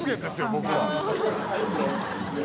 僕は。